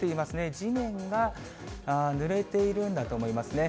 地面がぬれているんだと思いますね。